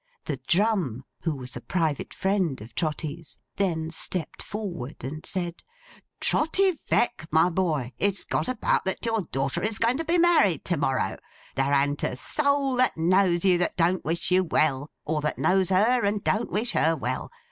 The Drum (who was a private friend of Trotty's) then stepped forward, and said: 'Trotty Veck, my boy! It's got about, that your daughter is going to be married to morrow. There an't a soul that knows you that don't wish you well, or that knows her and don't wish her well.